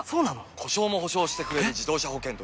故障も補償してくれる自動車保険といえば？